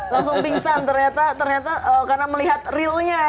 langsung pingsan ternyata karena melihat realnya